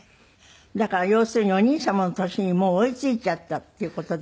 だから要するにお兄様の年にもう追いついちゃったっていう事でしょうかね。